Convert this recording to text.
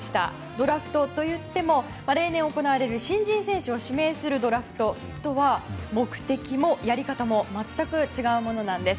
ドラフトといっても例年行われている新人選手を指名するドラフトとは、目的もやり方も全く違うものです。